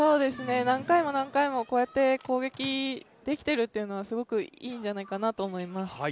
何回も何回も攻撃できているというのはすごくいいんじゃないかなと思います。